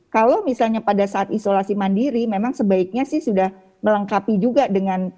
kalau misalnya pada saat isolasi mandiri memang sebaiknya sih sudah melengkapi juga dengan